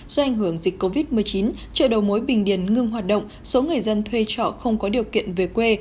do ảnh hưởng dịch covid một mươi chín chợ đầu mối bình điền ngưng hoạt động số người dân thuê trọ không có điều kiện về quê